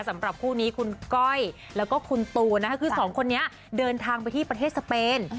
สำหรับคู่นี้คุณก้อยแล้วก็คุณตูนนะคะคือสองคนนี้เดินทางไปที่ประเทศสเปน